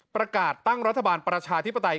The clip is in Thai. ประกาศตั้งรัฐบาลประชาธิปไตย